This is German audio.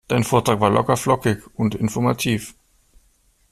Dein Vortrag war locker, flockig und informativ.